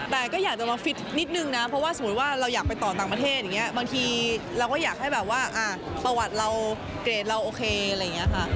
แต่ก็อยากจะมาฟิตนิดนึงนะเพราะว่าสมมุติว่าเราอยากไปต่อต่างประเทศอย่างนี้บางทีเราก็อยากให้แบบว่าประวัติเราเกรดเราโอเคอะไรอย่างนี้ค่ะ